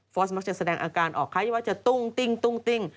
มักจะแสดงอาการออกคล้ายว่าจะตุ้งติ้งตุ้งติ้ง